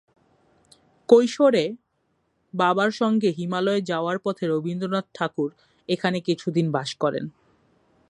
কৈশোরে বাবার সঙ্গে হিমালয়ে যাওয়ার পথে রবীন্দ্রনাথ ঠাকুর এখানে কিছুদিন বাস করেন।